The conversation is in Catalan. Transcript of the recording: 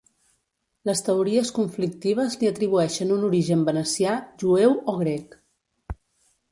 Les teories conflictives li atribueixen un origen venecià, jueu o grec.